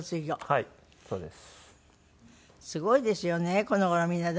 はいそうです。